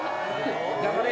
頑張れ！